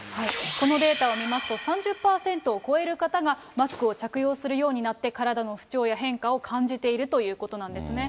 このデータを見ますと、３０％を超える方がマスクを着用するようになって、体の不調や変化を感じているということなんですね。